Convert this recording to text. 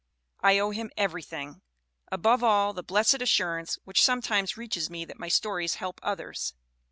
I owe him everything ; above all the blessed assurance which sometimes reaches me that my stories help others.